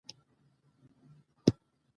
له ټولو اوصافو برخمنې دي.